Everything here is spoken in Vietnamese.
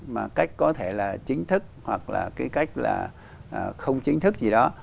mà cách có thể là chính thức hoặc là cái cách là không chính thức gì đó